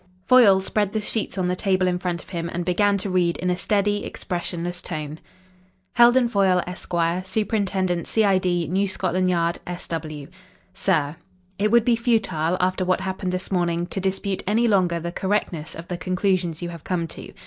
Foyle spread the sheets on the table in front of him and began to read in a steady, expressionless tone. "Heldon Foyle, Esq., Superintendent, C.I.D., New Scotland Yard, S.W. Sir, It would be futile, after what happened this morning, to dispute any longer the correctness of the conclusions you have come to.